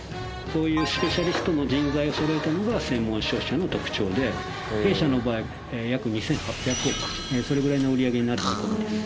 そういうスペシャリストの人材をそろえたのが専門商社の特徴で弊社の場合約２８００億それぐらいの売り上げになってると思います。